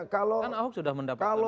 kan ahok sudah mendapatkan